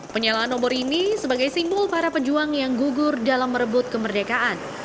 penyalahan nomor ini sebagai simbol para pejuang yang gugur dalam merebut kemerdekaan